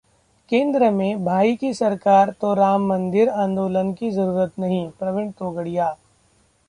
केंद्र में ‘भाई’ की सरकार तो राम मंदिर आंदोलन की जरूरत नहीं: प्रवीण तोगड़िया